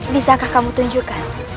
bisakah kamu tunjukkan